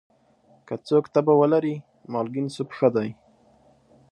که څوک تبه ولري، مالګین سوپ ښه دی.